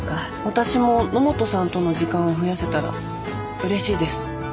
私も野本さんとの時間を増やせたらうれしいです。